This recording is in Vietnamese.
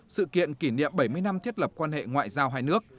sự kiện kỷ niệm bảy mươi năm thiết lập quan hệ ngoại giao hai nước